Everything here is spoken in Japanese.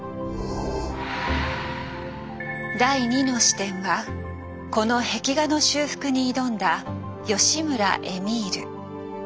第２の視点はこの壁画の修復に挑んだ吉村絵美留。